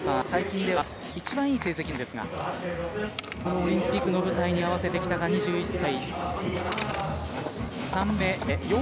７位というのが最近では一番いい成績なんですがただ、このオリンピックの舞台に合わせてきたか、２１歳。